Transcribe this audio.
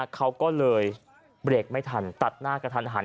เขาก็เลยเบรกไม่ทันตัดหน้ากระทันหัน